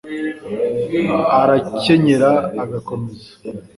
arakenyera agakomeza